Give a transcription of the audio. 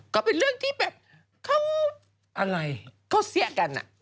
ก็เป็นเรื่องที่แบบเขาอะไรเขาเสียกัน